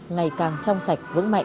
ngày càng trong sạch vững mạnh